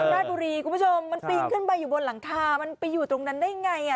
ราชบุรีคุณผู้ชมมันปีนขึ้นไปอยู่บนหลังคามันไปอยู่ตรงนั้นได้ไง